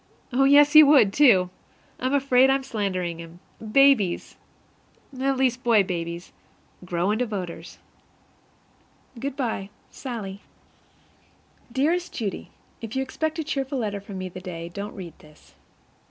Oh, yes, he would, too! I'm afraid I'm slandering him. Babies at least boy babies grow into voters. Good by, SALLIE. Dearest Judy: If you expect a cheerful letter from me the day, don't read this.